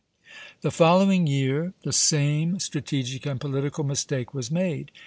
The following year the same strategic and political mistake was made.